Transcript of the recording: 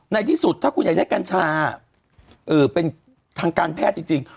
ที่สุดถ้าคุณอยากได้กัญชาเป็นทางการแพทย์จริง